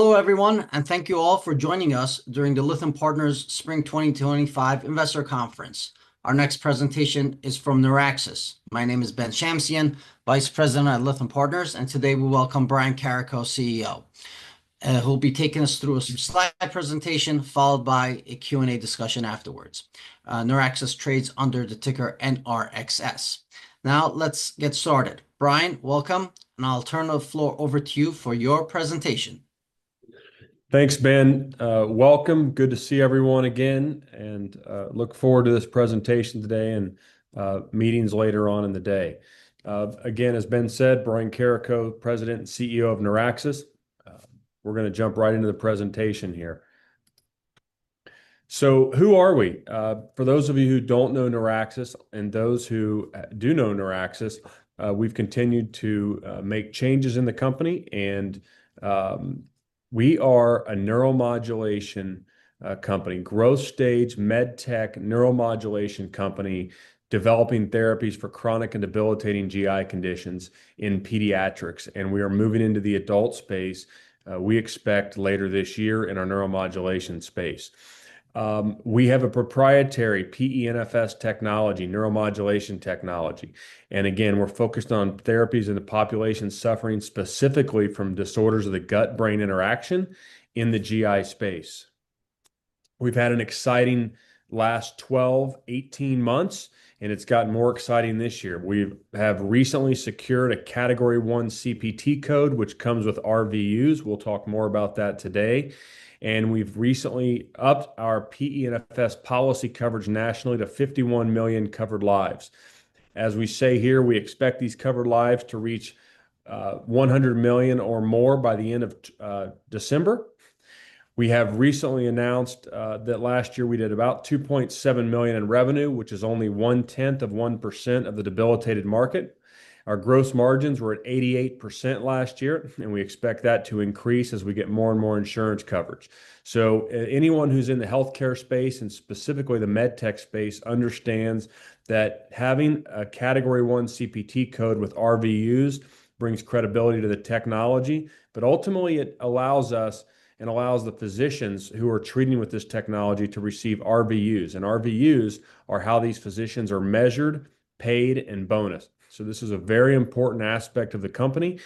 Hello, everyone, and thank you all for joining us during the Lytham Partners Spring 2025 Investor Conference. Our next presentation is from Neuraxis. My name is Ben Shamsian, Vice President at Lytham Partners, and today we welcome Brian Carrico, CEO, who'll be taking us through a slide presentation followed by a Q&A discussion afterwards. NeurAxis trades under the ticker NRXS. Now, let's get started. Brian, welcome, and I'll turn the floor over to you for your presentation. Thanks, Ben. Welcome. Good to see everyone again, and look forward to this presentation today and meetings later on in the day. Again, as Ben said, Brian Carrico, President and CEO of Neuraxis. We're going to jump right into the presentation here. Who are we? For those of you who don't know NeurAxis and those who do know NeurAxis, we've continued to make changes in the company, and we are a neuromodulation company, growth stage med tech neuromodulation company developing therapies for chronic and debilitating GI conditions in pediatrics. We are moving into the adult space, we expect, later this year in our neuromodulation space. We have a proprietary PENFS technology, neuromodulation technology. Again, we're focused on therapies in the population suffering specifically from disorders of the gut-brain interaction in the GI space. We've had an exciting last 12, 18 months, and it's gotten more exciting this year. We have recently secured a Category 1 CPT code, which comes with RVUs. We'll talk more about that today. We have recently upped our PENFS policy coverage nationally to 51 million covered lives. As we say here, we expect these covered lives to reach $100 million or more by the end of December. We have recently announced that last year we did about $2.7 million in revenue, which is only one-tenth of 1% of the debilitated market. Our gross margins were at 88% last year, and we expect that to increase as we get more and more insurance coverage. Anyone who's in the healthcare space and specifically the med tech space understands that having a Category 1 CPT code with RVUs brings credibility to the technology, but ultimately it allows us and allows the physicians who are treating with this technology to receive RVUs. RVUs are how these physicians are measured, paid, and bonused. This is a very important aspect of the company.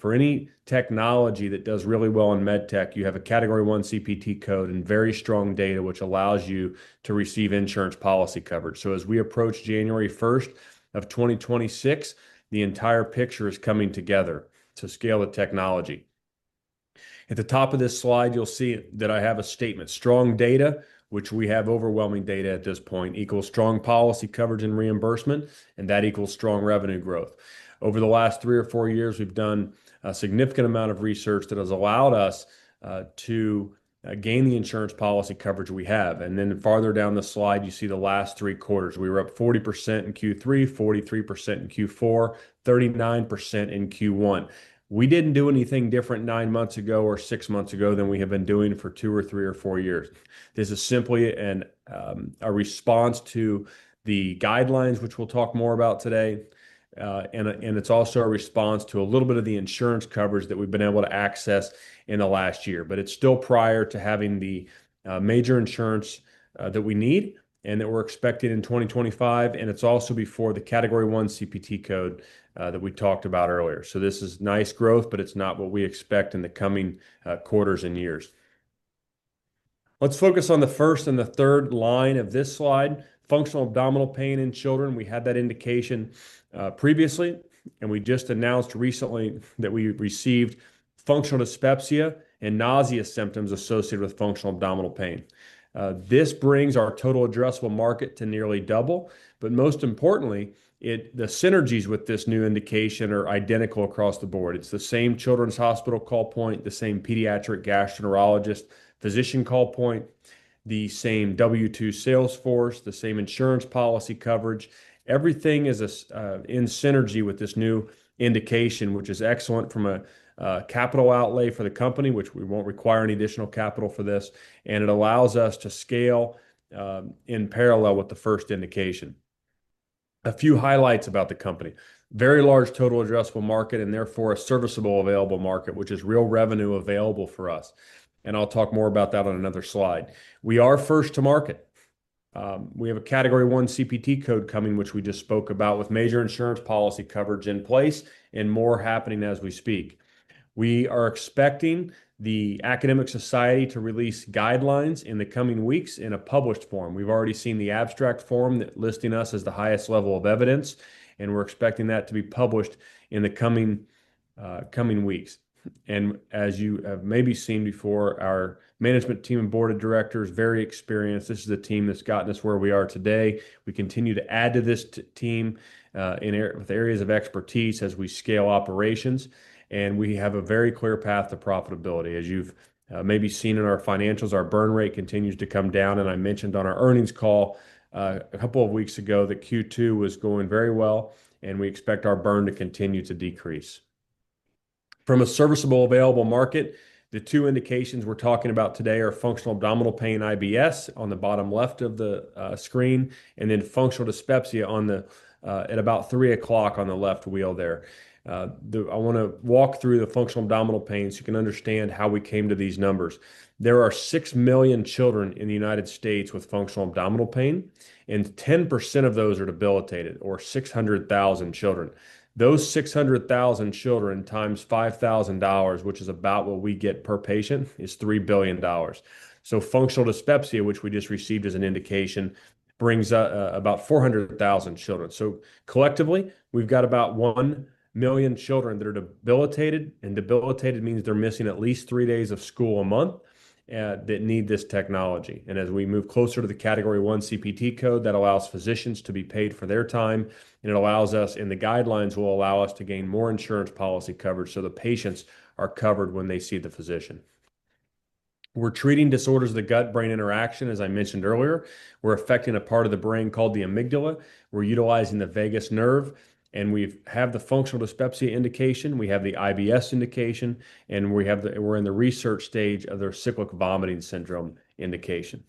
For any technology that does really well in med tech, you have a Category 1 CPT code and very strong data, which allows you to receive insurance policy coverage. As we approach January 1, 2026, the entire picture is coming together to scale the technology. At the top of this slide, you'll see that I have a statement: strong data, which we have overwhelming data at this point, equals strong policy coverage and reimbursement, and that equals strong revenue growth. Over the last three or four years, we've done a significant amount of research that has allowed us to gain the insurance policy coverage we have. Farther down the slide, you see the last three quarters. We were up 40% in Q3, 43% in Q4, 39% in Q1. We didn't do anything different nine months ago or six months ago than we have been doing for two or three or four years. This is simply a response to the guidelines, which we'll talk more about today. It's also a response to a little bit of the insurance coverage that we've been able to access in the last year, but it's still prior to having the major insurance that we need and that we're expecting in 2025. It's also before the category 1 CPT code that we talked about earlier. This is nice growth, but it's not what we expect in the coming quarters and years. Let's focus on the first and the third line of this slide: functional abdominal pain in children. We had that indication previously, and we just announced recently that we received functional dyspepsia and nausea symptoms associated with functional abdominal pain. This brings our total addressable market to nearly double, but most importantly, the synergies with this new indication are identical across the board. It's the same children's hospital call point, the same pediatric gastroenterologist physician call point, the same W-2 salesforce, the same insurance policy coverage. Everything is in synergy with this new indication, which is excellent from a capital outlay for the company, which we won't require any additional capital for this. It allows us to scale in parallel with the first indication. A few highlights about the company: very large total addressable market and therefore a serviceable available market, which is real revenue available for us. I'll talk more about that on another slide. We are first to market. We have a category 1 CPT code coming, which we just spoke about with major insurance policy coverage in place and more happening as we speak. We are expecting the academic society to release guidelines in the coming weeks in a published form. We've already seen the abstract form listing us as the highest level of evidence, and we're expecting that to be published in the coming weeks. As you have maybe seen before, our management team and board of directors are very experienced. This is a team that's gotten us where we are today. We continue to add to this team with areas of expertise as we scale operations, and we have a very clear path to profitability. As you've maybe seen in our financials, our burn rate continues to come down. I mentioned on our earnings call a couple of weeks ago that Q2 was going very well, and we expect our burn to continue to decrease. From a serviceable available market, the two indications we're talking about today are functional abdominal pain, IBS on the bottom left of the screen, and then functional dyspepsia at about three o'clock on the left wheel there. I want to walk through the functional abdominal pain so you can understand how we came to these numbers. There are 6 million children in the United States with functional abdominal pain, and 10% of those are debilitated, or 600,000 children. Those 600,000 children times $5,000, which is about what we get per patient, is $3 billion. Functional dyspepsia, which we just received as an indication, brings about 400,000 children. Collectively, we've got about 1 million children that are debilitated, and debilitated means they're missing at least three days of school a month that need this technology. As we move closer to the category 1 CPT code, that allows physicians to be paid for their time, and it allows us, and the guidelines will allow us to gain more insurance policy coverage so the patients are covered when they see the physician. We're treating disorders of the gut-brain interaction, as I mentioned earlier. We're affecting a part of the brain called the amygdala. We're utilizing the vagus nerve, and we have the functional dyspepsia indication. We have the IBS indication, and we're in the research stage of their cyclic vomiting syndrome indication.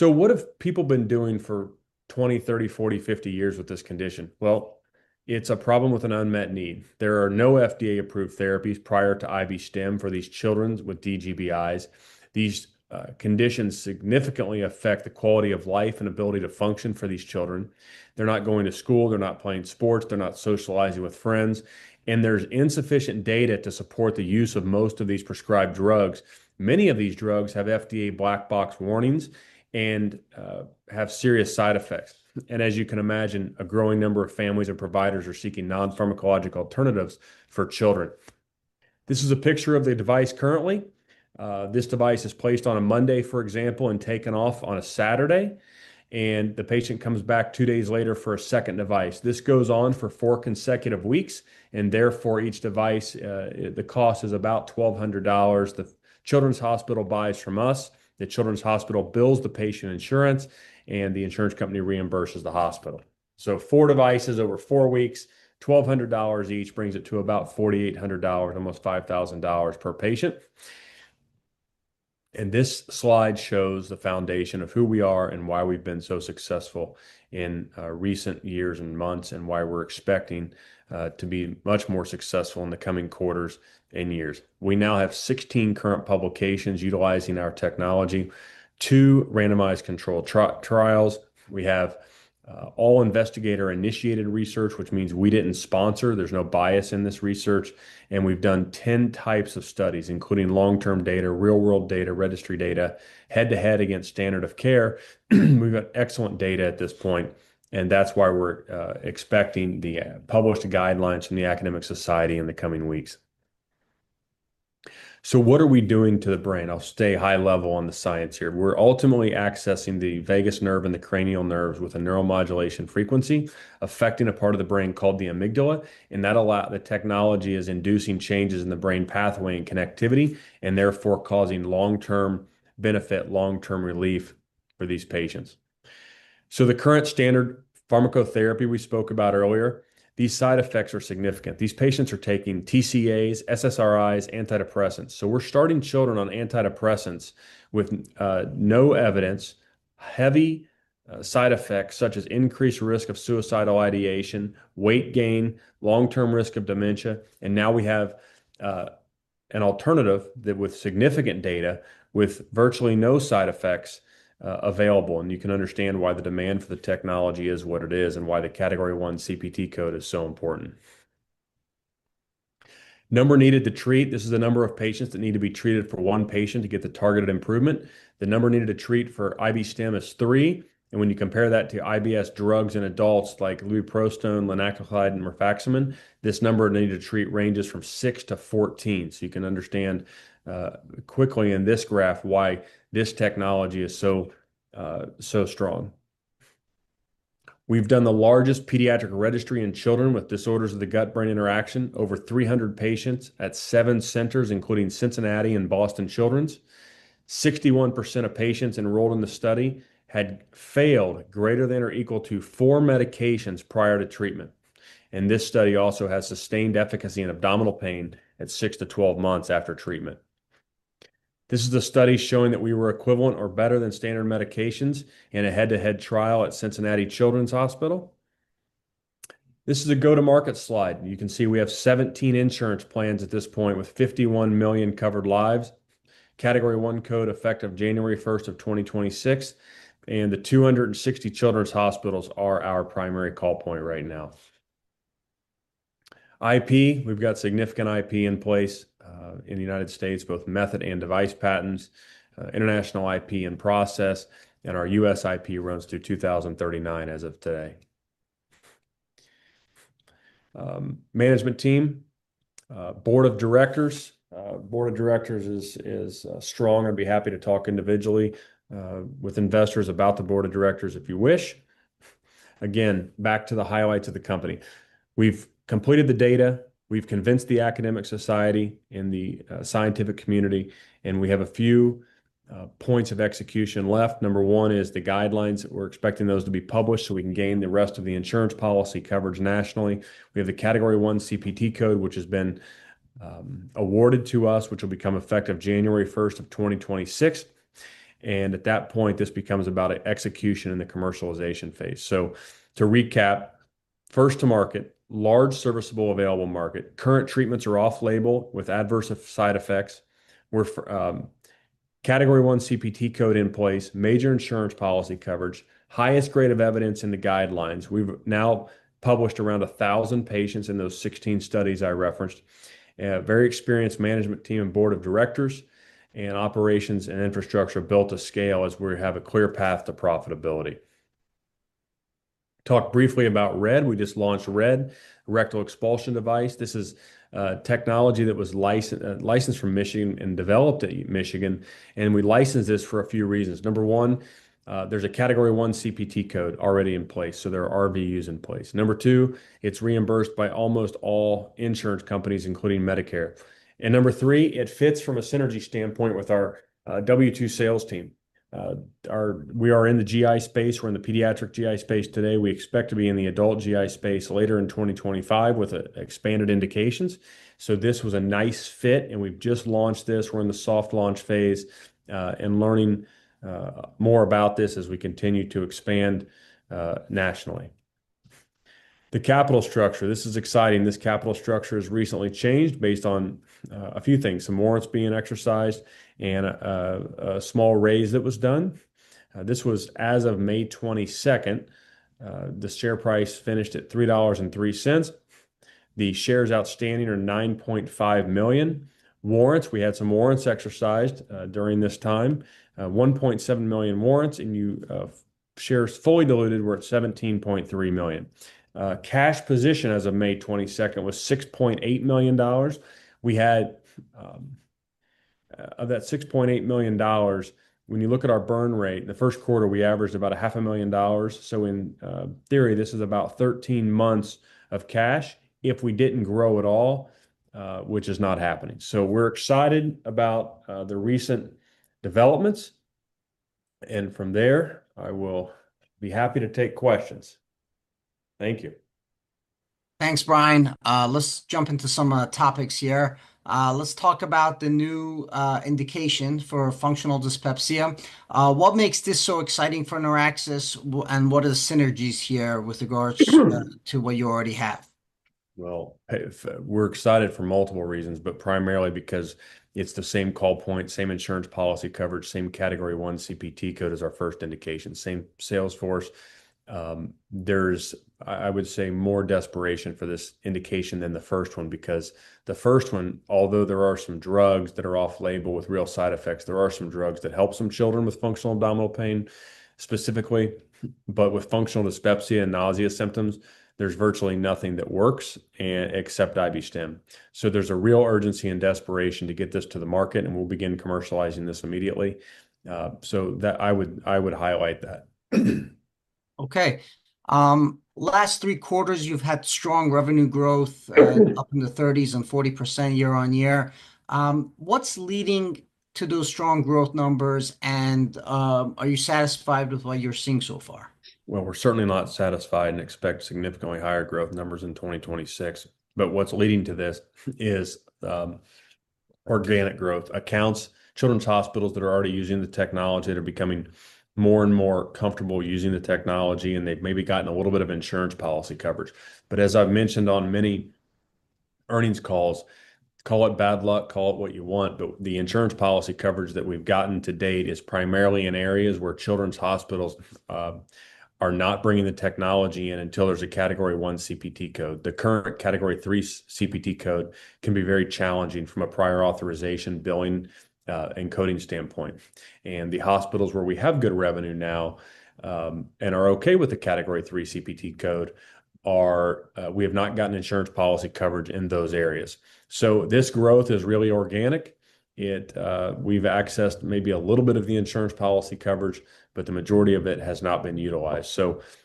What have people been doing for 20, 30, 40, 50 years with this condition? It is a problem with an unmet need. There are no FDA-approved therapies prior to IB-Stim for these children with DGBIs. These conditions significantly affect the quality of life and ability to function for these children. They're not going to school. They're not playing sports. They're not socializing with friends. There is insufficient data to support the use of most of these prescribed drugs. Many of these drugs have FDA black box warnings and have serious side effects. As you can imagine, a growing number of families and providers are seeking non-pharmacologic alternatives for children. This is a picture of the device currently. This device is placed on a Monday, for example, and taken off on a Saturday, and the patient comes back two days later for a second device. This goes on for four consecutive weeks, and therefore each device, the cost is about $1,200. The children's hospital buys from us. The children's hospital bills the patient insurance, and the insurance company reimburses the hospital. Four devices over four weeks, $1,200 each brings it to about $4,800, almost $5,000 per patient. This slide shows the foundation of who we are and why we've been so successful in recent years and months, and why we're expecting to be much more successful in the coming quarters and years. We now have 16 current publications utilizing our technology, two randomized controlled trials. We have all investigator-initiated research, which means we didn't sponsor. There's no bias in this research. We have done 10 types of studies, including long-term data, real-world data, registry data, head-to-head against standard of care. We have got excellent data at this point, and that is why we are expecting the published guidelines from the academic society in the coming weeks. What are we doing to the brain? I will stay high level on the science here. We are ultimately accessing the vagus nerve and the cranial nerves with a neuromodulation frequency affecting a part of the brain called the amygdala. That technology is inducing changes in the brain pathway and connectivity, and therefore causing long-term benefit, long-term relief for these patients. The current standard pharmacotherapy we spoke about earlier, these side effects are significant. These patients are taking TCAs, SSRIs, antidepressants. We are starting children on antidepressants with no evidence, heavy side effects such as increased risk of suicidal ideation, weight gain, long-term risk of dementia. We have an alternative with significant data with virtually no side effects available. You can understand why the demand for the technology is what it is and why the Category 1 CPT code is so important. Number needed to treat, this is the number of patients that need to be treated for one patient to get the targeted improvement. The number needed to treat for IB-Stim is three. When you compare that to IBS drugs in adults like levetiracetam, linaclotide, and rifaximin, this number needed to treat ranges from 6-14. You can understand quickly in this graph why this technology is so strong. We've done the largest pediatric registry in children with disorders of gut-brain interaction, over 300 patients at seven centers, including Cincinnati and Boston Children's. 61% of patients enrolled in the study had failed greater than or equal to four medications prior to treatment. This study also has sustained efficacy in abdominal pain at 6-12 months after treatment. This is the study showing that we were equivalent or better than standard medications in a head-to-head trial at Cincinnati Children's Hospital. This is a go-to-market slide. You can see we have 17 insurance plans at this point with 51 million covered lives, category 1 code effective January 1, 2026. The 260 children's hospitals are our primary call point right now. IP, we've got significant IP in place in the United States, both method and device patents, international IP in process, and our USIP runs through 2039 as of today. Management team, board of directors. Board of directors is strong. I'd be happy to talk individually with investors about the board of directors if you wish. Again, back to the highlights of the company. We've completed the data. We've convinced the academic society and the scientific community, and we have a few points of execution left. Number one is the guidelines. We're expecting those to be published so we can gain the rest of the insurance policy coverage nationally. We have a Category 1 CPT code, which has been awarded to us, which will become effective January 1, 2026. At that point, this becomes about execution in the commercialization phase. To recap, first to market, large serviceable available market, current treatments are off-label with adverse side effects. We're Category 1 CPT code in place, major insurance policy coverage, highest grade of evidence in the guidelines. We've now published around 1,000 patients in those 16 studies I referenced. Very experienced management team and board of directors and operations and infrastructure built to scale as we have a clear path to profitability. Talk briefly about RED. We just launched RED, rectal expulsion device. This is technology that was licensed from Michigan and developed at Michigan. And we licensed this for a few reasons. Number one, there's a Category 1 CPT code already in place, so there are RVUs in place. Number two, it's reimbursed by almost all insurance companies, including Medicare. Number three, it fits from a synergy standpoint with our W-2 sales team. We are in the GI space. We're in the pediatric GI space today. We expect to be in the adult GI space later in 2025 with expanded indications. This was a nice fit, and we've just launched this. We're in the soft launch phase and learning more about this as we continue to expand nationally. The capital structure, this is exciting. This capital structure has recently changed based on a few things. Some warrants being exercised and a small raise that was done. This was as of May 22nd. The share price finished at $3.03. The shares outstanding are 9.5 million warrants. We had some warrants exercised during this time, 1.7 million warrants, and shares fully diluted were at 17.3 million. Cash position as of May 22nd was $6.8 million. We had of that $6.8 million, when you look at our burn rate in the first quarter, we averaged about $500,000. In theory, this is about 13 months of cash if we didn't grow at all, which is not happening. We're excited about the recent developments. From there, I will be happy to take questions. Thank you. Thanks, Brian. Let's jump into some topics here. Let's talk about the new indication for functional dyspepsia. What makes this so exciting for NeurAxis and what are the synergies here with regards to what you already have? We're excited for multiple reasons, but primarily because it's the same call point, same insurance policy coverage, same Category 1 CPT code as our first indication, same Salesforce. I would say there's more desperation for this indication than the first one because the first one, although there are some drugs that are off-label with real side effects, there are some drugs that help some children with functional abdominal pain specifically. With functional dyspepsia and nausea symptoms, there's virtually nothing that works except IB-Stim. There is a real urgency and desperation to get this to the market, and we'll begin commercializing this immediately. I would highlight that. Okay. Last three quarters, you've had strong revenue growth up in the 30s and 40% year on year. What's leading to those strong growth numbers, and are you satisfied with what you're seeing so far? We're certainly not satisfied and expect significantly higher growth numbers in 2026. What's leading to this is organic growth. Children's hospitals that are already using the technology that are becoming more and more comfortable using the technology, and they've maybe gotten a little bit of insurance policy coverage. As I've mentioned on many earnings calls, call it bad luck, call it what you want, but the insurance policy coverage that we've gotten to date is primarily in areas where children's hospitals are not bringing the technology in until there's a Category 1 CPT code. The current Category 3 CPT code can be very challenging from a prior authorization billing and coding standpoint. The hospitals where we have good revenue now and are okay with the Category 3 CPT code are, we have not gotten insurance policy coverage in those areas. This growth is really organic. We've accessed maybe a little bit of the insurance policy coverage, but the majority of it has not been utilized.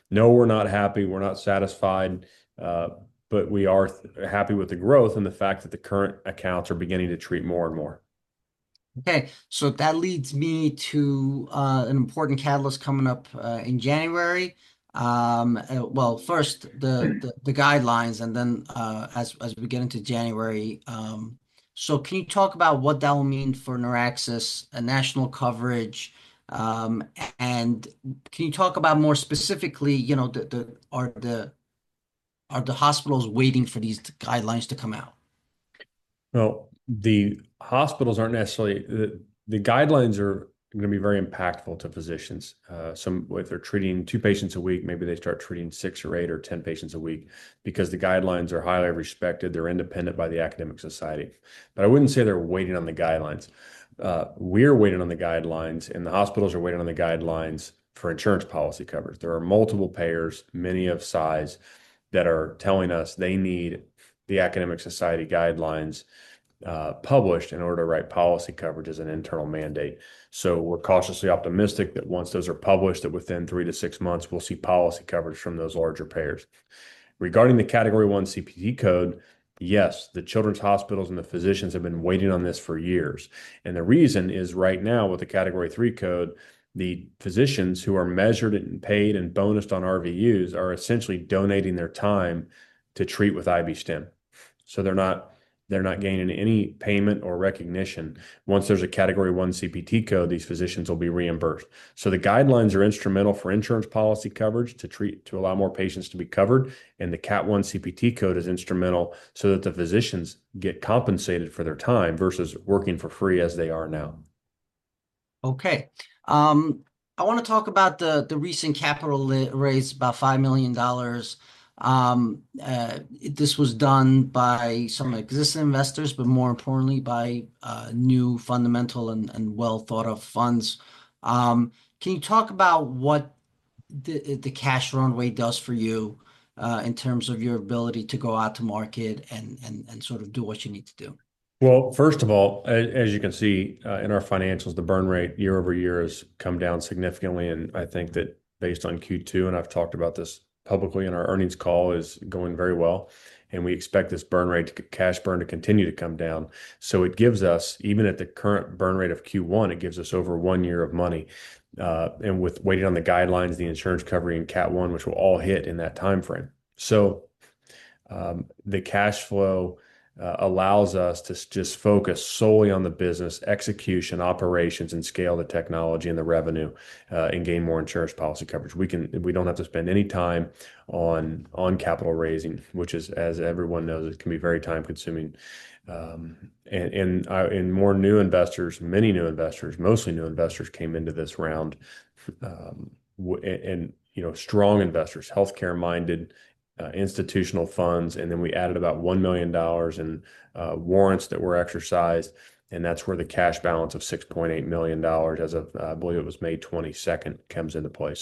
No, we're not happy. We're not satisfied, but we are happy with the growth and the fact that the current accounts are beginning to treat more and more. Okay. That leads me to an important catalyst coming up in January. First, the guidelines, and then as we begin into January. Can you talk about what that will mean for Neuraxis, a national coverage? Can you talk about more specifically, are the hospitals waiting for these guidelines to come out? The hospitals aren't necessarily, the guidelines are going to be very impactful to physicians. Some, if they're treating two patients a week, maybe they start treating six or eight or ten patients a week because the guidelines are highly respected. They're independent by the academic society. I wouldn't say they're waiting on the guidelines. We are waiting on the guidelines, and the hospitals are waiting on the guidelines for insurance policy coverage. There are multiple payers, many of size, that are telling us they need the academic society guidelines published in order to write policy coverage as an internal mandate. We are cautiously optimistic that once those are published, that within three to six months, we will see policy coverage from those larger payers. Regarding the Category 1 CPT code, yes, the children's hospitals and the physicians have been waiting on this for years. The reason is right now with the Category 3 code, the physicians who are measured and paid and bonused on RVUs are essentially donating their time to treat with IB-Stim. They are not gaining any payment or recognition. Once there is a Category 1 CPT code, these physicians will be reimbursed. The guidelines are instrumental for insurance policy coverage to treat, to allow more patients to be covered. The Category 1 CPT code is instrumental so that the physicians get compensated for their time versus working for free as they are now. Okay. I want to talk about the recent capital raise, about $5 million. This was done by some existing investors, but more importantly, by new fundamental and well-thought-of funds. Can you talk about what the cash runway does for you in terms of your ability to go out to market and sort of do what you need to do? First of all, as you can see in our financials, the burn rate year over year has come down significantly. I think that based on Q2, and I have talked about this publicly in our earnings call, is going very well. We expect this burn rate, cash burn, to continue to come down. It gives us, even at the current burn rate of Q1, it gives us over one year of money. With waiting on the guidelines, the insurance covering and cat one, which will all hit in that timeframe. The cash flow allows us to just focus solely on the business execution, operations, and scale the technology and the revenue and gain more insurance policy coverage. We do not have to spend any time on capital raising, which is, as everyone knows, it can be very time-consuming. More new investors, many new investors, mostly new investors came into this round, and strong investors, healthcare-minded, institutional funds. We added about $1 million in warrants that were exercised. That is where the cash balance of $6.8 million, as of, I believe it was May 22, comes into play.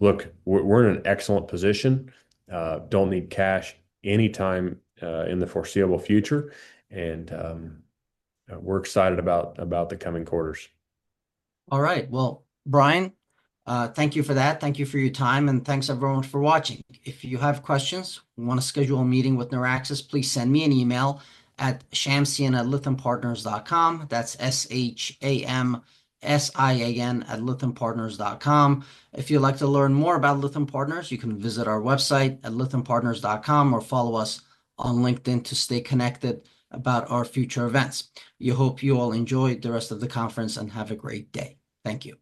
Look, we are in an excellent position. not need cash anytime in the foreseeable future. We are excited about the coming quarters. All right. Brian, thank you for that. Thank you for your time. Thanks everyone for watching. If you have questions, want to schedule a meeting with NeurAxis, please send me an email at shamsian@lythampartners.com. That is S-H-A-M-S-I-A-N at lythampartners.com. If you would like to learn more about Lytham Partners, you can visit our website at lythampartners.com or follow us on LinkedIn to stay connected about our future events. Hope you all enjoy the rest of the conference and have a great day. Thank you.